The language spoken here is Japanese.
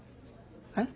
えっ？